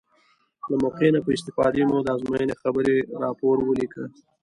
له موقع نه په استفادې مو د ازموینې خبري راپور ولیکه.